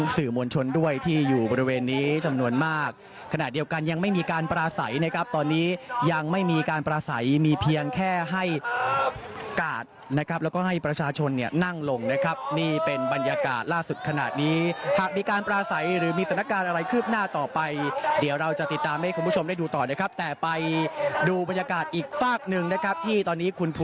สื่อมวลชนด้วยที่อยู่บริเวณนี้จำนวนมากขณะเดียวกันยังไม่มีการปราศัยนะครับตอนนี้ยังไม่มีการปราศัยมีเพียงแค่ให้กาดนะครับแล้วก็ให้ประชาชนเนี่ยนั่งลงนะครับนี่เป็นบรรยากาศล่าสุดขนาดนี้หากมีการปราศัยหรือมีสถานการณ์อะไรคืบหน้าต่อไปเดี๋ยวเราจะติดตามให้คุณผู้ชมได้ดูต่อนะครับแต่ไปดูบรรยากาศอีกฝากหนึ่งนะครับที่ตอนนี้คุณ